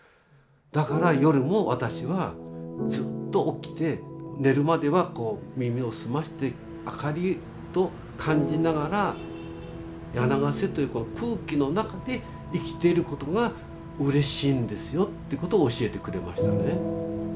「だから夜も私はずっと起きて寝るまでは耳を澄まして明かりを感じながら柳ケ瀬というこの空気の中で生きてることがうれしいんですよ」ってことを教えてくれましたね。